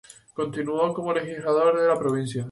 Continuó como legislador de la provincia.